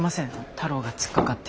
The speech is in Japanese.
太郎が突っかかって。